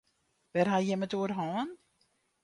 Wêr ha jim it oer hân?